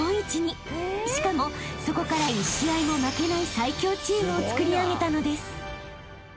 ［しかもそこから一試合も負けない最強チームをつくり上げたのです］